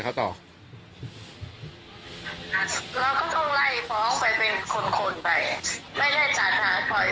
อย่างที่โทรมาหลอกให้แม่เตรียมเงินไว้๗แสนเดี๋ยวจะเอาไปช่วยพี่ท็อปไม่ให้ติดคุก